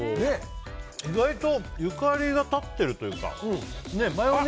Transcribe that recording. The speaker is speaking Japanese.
意外とゆかりが立ってるというか。